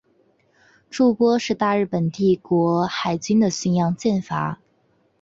筑波是大日本帝国海军的巡洋战舰。